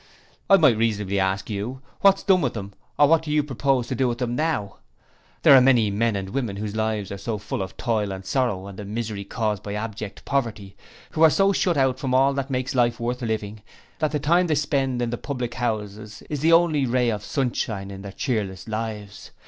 'I might reasonably ask you, "What's done with them or what you propose to do with them now?" There are many men and women whose lives are so full of toil and sorrow and the misery caused by abject poverty, who are so shut out from all that makes life worth living, that the time they spend in the public house is the only ray of sunshine in their cheerless lives.